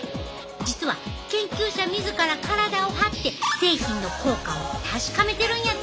実は研究者自ら体を張って製品の効果を確かめてるんやて。